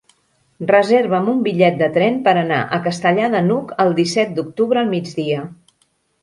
Reserva'm un bitllet de tren per anar a Castellar de n'Hug el disset d'octubre al migdia.